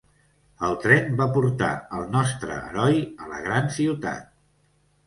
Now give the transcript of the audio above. El tren va portar el nostre heroi a la gran ciutat.